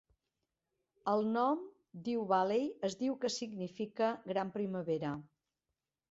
El nom, diu Bailey, es diu que significa "Gran primavera".